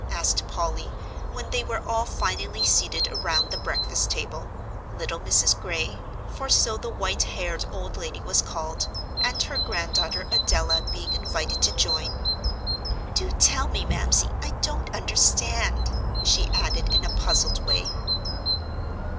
asked Polly, when they were all finally seated around the breakfast table, little Mrs. Gray for so the white haired old lady was called and her granddaughter Adela being invited to join, "do tell me, Mamsie, I don't understand," she added in a puzzled way.